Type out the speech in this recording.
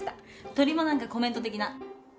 とりまなんかコメント的な。